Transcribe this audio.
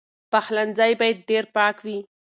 پخلنځی باید ډېر پاک وي.